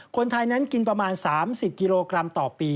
คนไทยนั้นกินประมาณ๓๐กิโลกรัมต่อปี